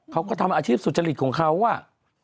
เขาก็ทำอาชีพสุจริตของเขาอ่ะ